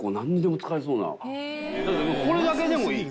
これだけでもいい。